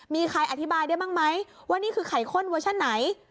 มีใครอธิบายได้บ้างไหมว่านี่คือไข่ข้นเวอร์ชั่นไหน